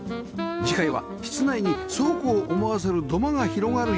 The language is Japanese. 次回は室内に倉庫を思わせる土間が広がる家